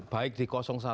baik di satu enam dua